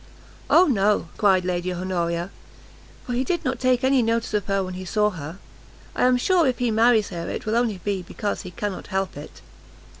"O no," cried Lady Honoria, "for he did not take any notice of her when he saw her; I am sure if he marries her, it will only be because he cannot help it."